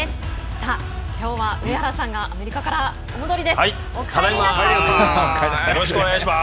さあ、きょうは上原さんがアメリカからお戻りです。